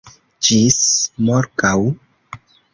Ĝis morgaŭ.